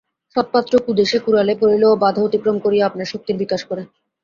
সৎপাত্র কুদেশে কুকালে পড়িলেও বাধা অতিক্রম করিয়া আপনার শক্তির বিকাশ করে।